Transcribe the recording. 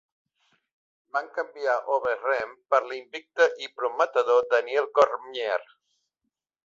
Van canviar Overeem per l'invicte i prometedor Daniel Cormier.